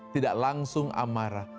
tidak langsung amarah